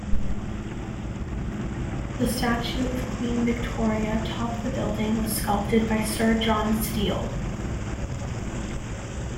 The statue of Queen Victoria top the building was sculpted by Sir John Steell.